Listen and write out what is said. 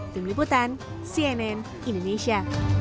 tim liputan cnn indonesia